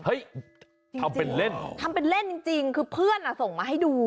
ทำเป็นเล่นทำเป็นเล่นจริงคือเพื่อนอ่ะส่งมาให้ดู